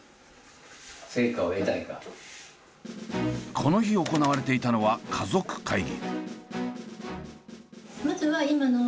この日行われていたのは家族会議。